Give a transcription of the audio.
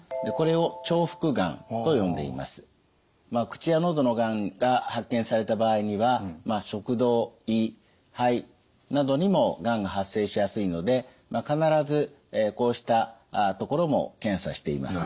口や喉のがんが発見された場合には食道・胃・肺などにもがんが発生しやすいので必ずこうしたところも検査しています。